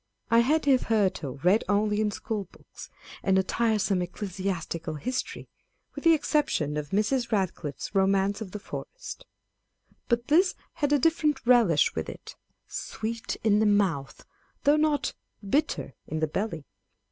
I had hitherto read only in school books, and a tiresome ecclesiastical history (with the exception of Mrs. Kadcliffe's Romance of the Forest] : but this had a different relish with it, â€" " sweet in the mouth," though not " bitter in the belly."